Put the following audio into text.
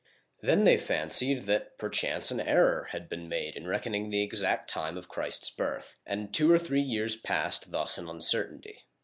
Then they fancied that perchance an error had been made in reckoning the exact time of Christ's birth, and two or three years passed thus in uncertainty.